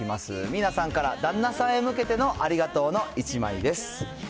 ミーナさんから、旦那さんへ向けてのありがとうの１枚です。